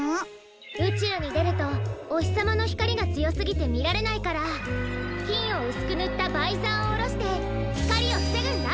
うちゅうにでるとおひさまのひかりがつよすぎてみられないからきんをうすくぬったバイザーをおろしてひかりをふせぐんだ。